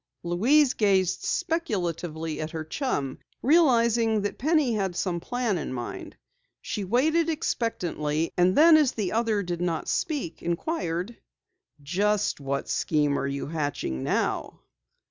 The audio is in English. Louise gazed speculatively at her chum, realizing that Penny had some plan in mind. She waited expectantly, and then as the other did not speak, inquired: "Just what scheme are you hatching now?"